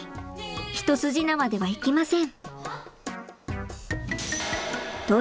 一筋縄ではいきません。